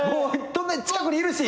近くにいるし。